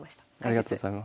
ありがとうございます。